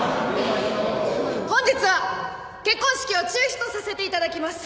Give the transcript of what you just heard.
本日は結婚式を中止とさせて頂きます。